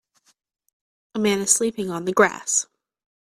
A man is sleeping on the grass.